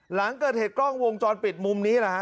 หลังเกิดเหตุกล้องวงจรปิดมุมนี้แหละฮะ